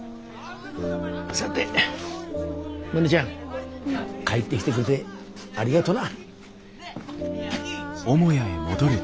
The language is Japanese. さてモネちゃん帰ってきてくれてありがとな。